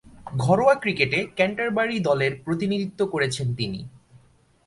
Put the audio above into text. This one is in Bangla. ঘরোয়া ক্রিকেটে ক্যান্টারবারি দলের প্রতিনিধিত্ব করছেন তিনি।